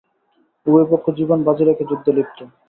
উভয় পক্ষ জীবন বাজি রেখে যুদ্ধে লিপ্ত।